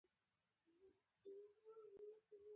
د افغانستان د اقتصادي پرمختګ لپاره پکار ده چې رشوت ورک شي.